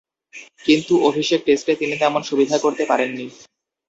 কিন্তু অভিষেক টেস্টে তিনি তেমন সুবিধা করতে পারেননি।